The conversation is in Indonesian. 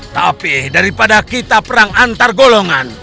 tapi daripada kita perang antar golongan